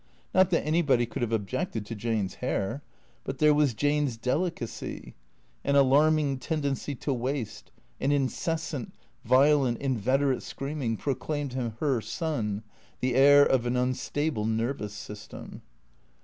Not that anybody could have objected to Jane's hair. But there was Jane's deli cacy. An alarming tendency to waste, and an incessant, violent, inveterate screaming proclaimed him her son, the heir of an unstable nervous system.